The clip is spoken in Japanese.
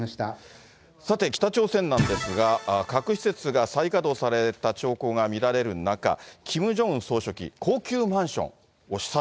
さて、北朝鮮なんですが、核施設が再稼働された兆候が見られる中、キム・ジョンウン総書記、高級マンションを視察。